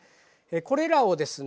これらをですね